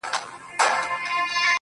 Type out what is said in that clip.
سیاه پوسي ده، ژوند تفسیرېږي.